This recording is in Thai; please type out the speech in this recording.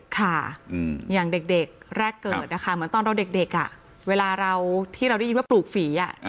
ค่ะอย่างเด็กแรกเกิดนะคะเหมือนตอนเราเด็กเวลาเราที่เราได้ยินว่าปลูกฝี